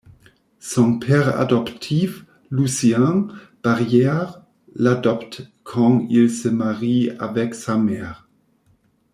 Son père adoptif, Lucien Barrière l'adopte quand il se marie avec sa mère.